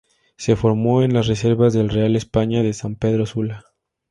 Se formó en las reservas del Real España de San Pedro Sula.